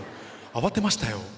慌てましたよ。